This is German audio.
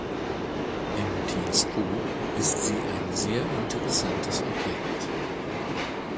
Im Teleskop ist sie ein sehr interessantes Objekt.